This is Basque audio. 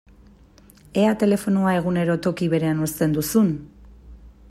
Ea telefonoa egunero toki berean uzten duzun!